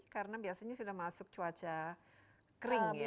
karena biasanya sudah masuk cuaca kering ya